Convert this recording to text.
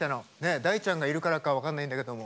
大ちゃんがいるからか分かんないんだけど。